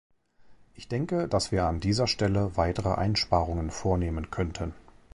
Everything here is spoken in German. Ich denke, dass wir an dieser Stelle weitere Einsparungen vornehmen könnten.